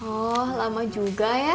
oh lama juga ya